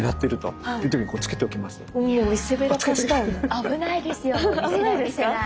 危ないですか？